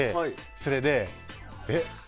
それでえ？